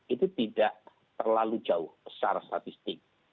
itu tidak terlalu jauh secara statistik